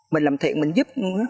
mình làm thiện mình giúp